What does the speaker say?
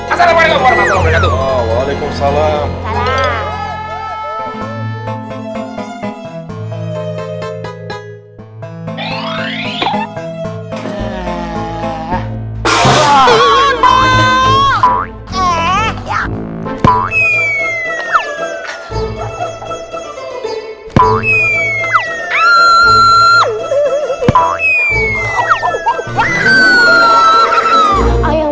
assalamualaikum warahmatullahi wabarakatuh